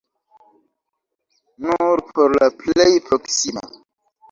Nur por la plej proksima!